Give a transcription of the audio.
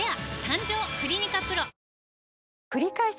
くりかえす